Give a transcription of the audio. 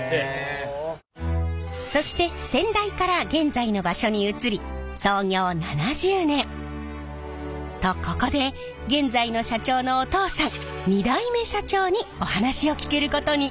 そして先代から現在の場所に移り創業７０年。とここで現在の社長のお父さん２代目社長にお話を聞けることに。